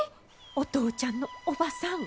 お父ちゃんの叔母さん。